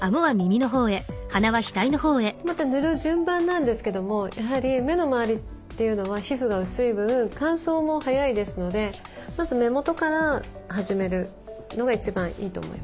また塗る順番なんですけどもやはり目の周りというのは皮膚が薄い分乾燥も早いですのでまず目元から始めるのが一番いいと思います。